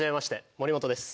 森本です。